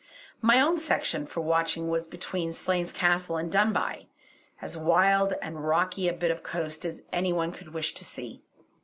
My own section for watching was between Slains Castle and Dunbuy, as wild and rocky a bit of coast as any one could wish to see.